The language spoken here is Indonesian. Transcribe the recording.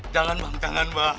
jangan bang jangan bang